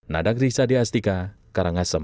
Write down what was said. nadagri sadiastika karangasem